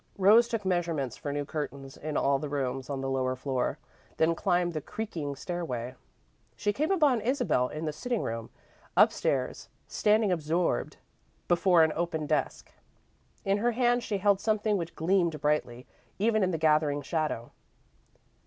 Rose took measurements for new curtains in all the rooms on the lower floor, then climbed the creaking stairway. She came upon Isabel in the sitting room, upstairs, standing absorbed before an open desk. In her hand she held something which gleamed brightly, even in the gathering shadow.